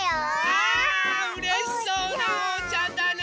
わあうれしそうなおうちゃんだね！